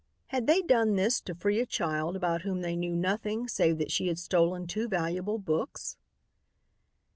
Had they done this to free a child about whom they knew nothing save that she had stolen two valuable books?